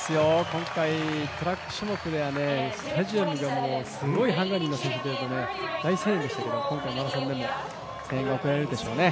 今回トラック種目では、スタジアムがすごいハンガリーの選手が出ると大声援でしたけども今回マラソンでも声援が送られるでしょうね。